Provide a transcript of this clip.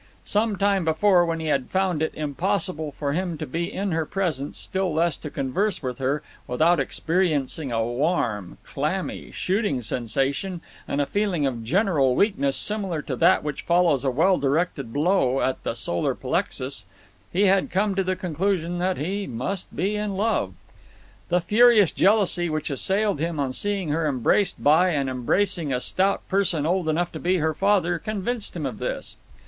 Some time before, when he had found it impossible for him to be in her presence, still less to converse with her, without experiencing a warm, clammy, shooting sensation and a feeling of general weakness similar to that which follows a well directed blow at the solar plexus, he had come to the conclusion that he must be in love. The furious jealousy which assailed him on seeing her embraced by and embracing a stout person old enough to be her father convinced him of this.